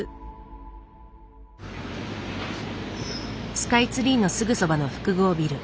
スカイツリーのすぐそばの複合ビル。